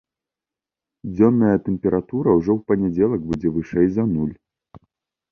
Дзённая тэмпература ўжо ў панядзелак будзе вышэй за нуль.